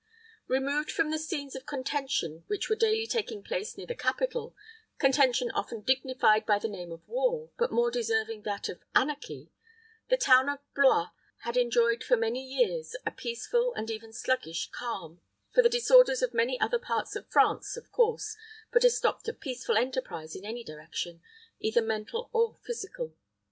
Removed from the scenes of contention which were daily taking place near the capital contention often dignified by the name of war, but more deserving that of anarchy the town of Blois had enjoyed for many years a peaceful and even sluggish calm, for the disorders of many other parts of France, of course, put a stop to peaceful enterprise in any direction, either mental or physical.